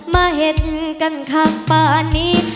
มาเห็นกันคักปะตัวนี้